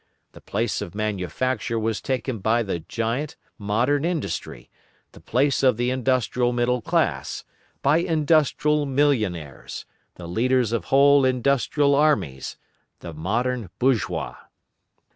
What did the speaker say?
The place of manufacture was taken by the giant, Modern Industry, the place of the industrial middle class, by industrial millionaires, the leaders of whole industrial armies, the modern bourgeois.